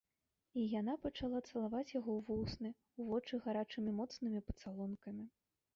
І яна пачала цалаваць яго ў вусны, у вочы гарачымі моцнымі пацалункамі.